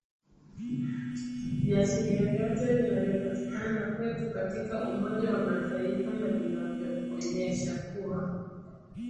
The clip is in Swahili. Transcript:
Viashiria vyote vinavyopatikana kwetu katika umoja wa Mataifa na vinaonyesha kuwa